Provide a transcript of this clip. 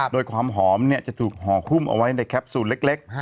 โดยความหอมจะถูกห่อหุ้มเอาไว้ในแคปซูลเล็ก